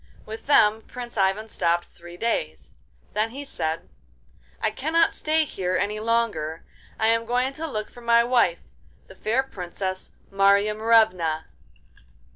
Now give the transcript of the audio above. With them Prince Ivan stopped three days; then he said: 'I cannot stay here any longer. I am going to look for my wife, the fair Princess Marya Morevna.